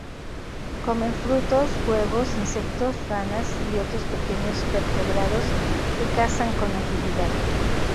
Comen frutos, huevos, insectos, ranas y otros pequeños vertebrados que cazan con agilidad.